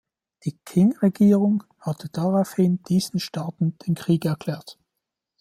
Die Qing-Regierung hatte daraufhin diesen Staaten den Krieg erklärt.